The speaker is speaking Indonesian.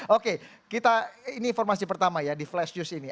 oke kita ini informasi pertama ya di flash news ini